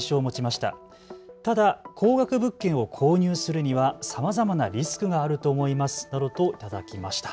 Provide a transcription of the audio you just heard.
ただ高額物件を購入するにはさまざまなリスクがあると思いますなどといただきました。